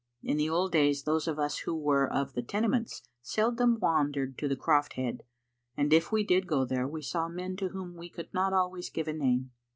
In the old days, those of us who were of the Tenements seldom wandered to the Croft head, and if we did go there we saw men to whom we could not always give a name.